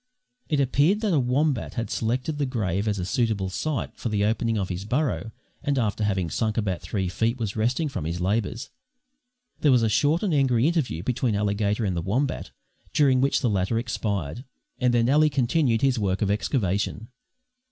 It appeared that a wombat had selected the grave as a suitable site for the opening of his burrow and after having sunk about three feet, was resting from his labours. There was a short and angry interview between Alligator and the wombat, during which the latter expired, and then Ally continued his work of excavation.